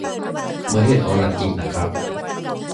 เหมือนเห็ดออรัลจิน่ะครับ